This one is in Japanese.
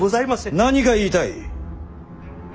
何が言いたい。